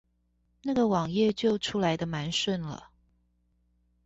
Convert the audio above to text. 那個網頁就出來的蠻順了